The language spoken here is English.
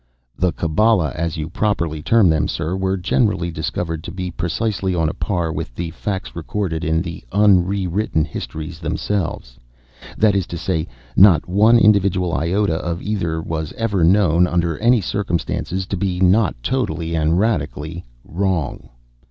"The Kabbala, as you properly term them, sir, were generally discovered to be precisely on a par with the facts recorded in the un re written histories themselves;—that is to say, not one individual iota of either was ever known, under any circumstances, to be not totally and radically wrong."